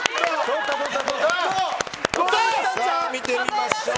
見てみましょう。